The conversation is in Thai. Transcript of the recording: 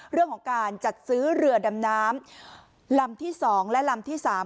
เรื่องของการจัดซื้อเรือดำน้ำลำที่๒และลำที่๓